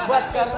eh bos ke rumah